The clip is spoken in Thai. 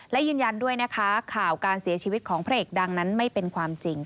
และยืนยันด้วยนะคะข่าวการเสียชีวิตของพระเอกดังนั้นไม่เป็นความจริง